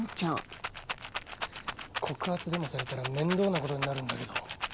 告発でもされたら面倒なことになるんだけど。